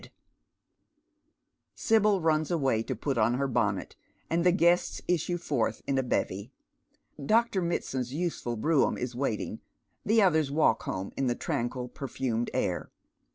102 Dead Men's Shoes. Sibyl i uns away to put on her bonnet, and the guests isstje forth in a bevy. Dr. Mitsand's useful brougham is waiting, thf others walk home in the tranquil perfumed air.